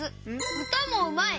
うたもうまい！